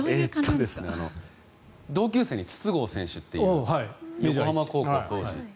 同級生に筒香選手という横浜高校、当時。